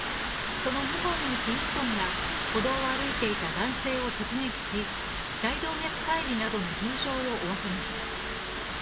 その２本のうち１本が歩道を歩いていた男性を直撃し、大動脈解離などの重傷を負わせました。